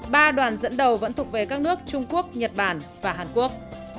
ba đoàn dẫn đầu vẫn thuộc về các nước trung quốc nhật bản và hàn quốc